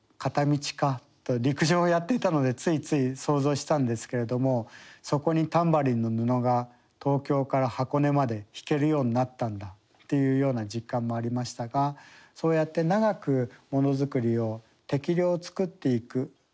陸上をやっていたのでついつい想像したんですけれどもそこにタンバリンの布が東京から箱根までひけるようになったんだっていうような実感もありましたがそうやって長くものづくりを適量作っていく。